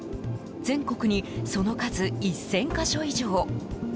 全国にその数１０００か所以上。